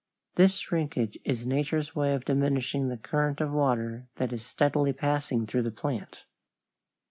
This shrinkage is nature's way of diminishing the current of water that is steadily passing through the plant.